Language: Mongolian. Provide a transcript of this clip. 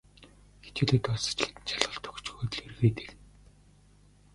Хичээлээ дуусаж, хэдэн шалгалт өгчхөөд л эргээд ирнэ.